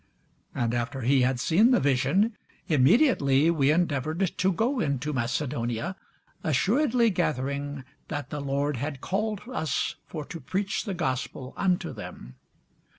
And after he had seen the vision, immediately we endeavoured to go into Macedonia, assuredly gathering that the Lord had called us for to preach the gospel unto them.